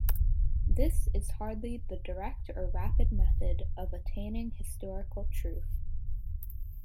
This is hardly the direct or rapid method of attaining historical truth.